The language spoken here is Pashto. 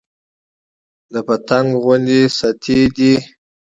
د پتنګ غوندې ستي دى